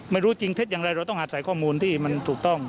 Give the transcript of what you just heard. ไม่รู้จริงเท็จอย่างไรเราต้องอาศัยข้อมูลที่มันถูกต้อง